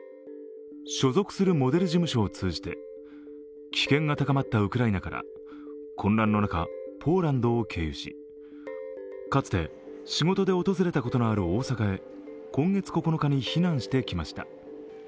所属するモデル事務所を通じて、危険が高まったウクライナから混乱の中、ポーランドを経由し、かつて仕事で訪れたことのある大阪へ今月９日に避難してきました。